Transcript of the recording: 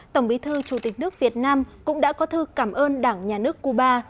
tổng bí thư chủ tịch nước việt nam cũng đã có thư cảm ơn đảng nhà nước cuba